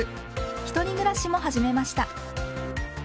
一人暮らしも始めました。